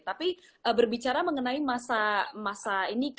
tapi berbicara mengenai masa ini